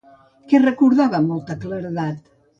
Què recordava amb molta claredat?